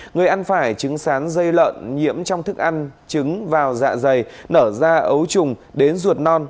người ăn phải trứng sán dây lợn nhiễm trong thức ăn trứng vào dạ dày nở ra ấu trùng đến ruột non